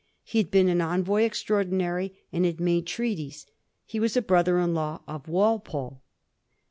He had been an Envoy Extraordinary, and had made treaties. He was a brother in law of Walpole.